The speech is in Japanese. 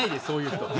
そういう人。